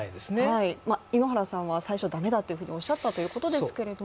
井ノ原さんは、最初駄目だというふうにおっしゃったということですけれども。